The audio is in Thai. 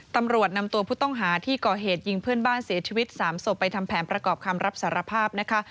ตำรวจนำตัวผู้ต้องหาที่ก่อเหตุยิงเพื่อนบ้านเสียชีวิต๓ศพไปทำแผนประกอบคำรับสารภาพนะคะ